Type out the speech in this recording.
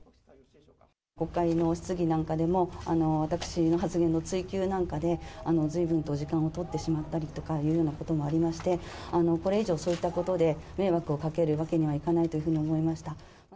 国会の質疑なんかでも、私の発言の追及なんかでずいぶんと時間を取ってしまったりとかいうようなこともありまして、これ以上そういったことで迷惑をかけるわけにはいかないというふ